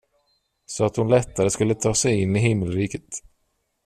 Så att hon lättare skulle ta sig in i himmelriket.